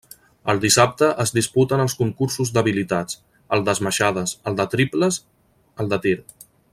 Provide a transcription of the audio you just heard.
El dissabte es disputen els concursos d'habilitats, el d'esmaixades, el de triples el de tir.